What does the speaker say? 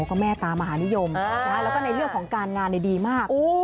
ก็แม่ตามหานิยมแล้วก็ในเรื่องของการงานดีมาก